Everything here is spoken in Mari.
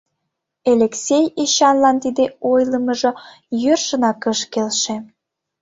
Элексей Эчанлан тиде ойлымыжо йӧршынак ыш келше.